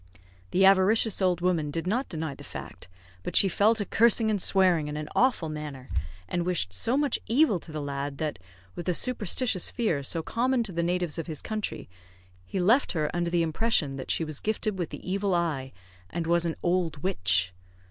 The avaricious old woman did not deny the fact, but she fell to cursing and swearing in an awful manner, and wished so much evil to the lad, that, with the superstitious fear so common to the natives of his country, he left her under the impression that she was gifted with the evil eye, and was an "owld witch."